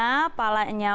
sebagai orang tuanya